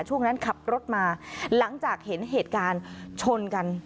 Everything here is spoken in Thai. ช่วงนั้นขับรถมาหลังจากเห็นเหตุการณ์ชนกัน